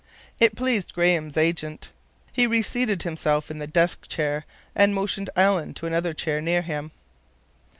It pleased Graham's agent. He reseated himself in the desk chair and motioned Alan to another chair near him.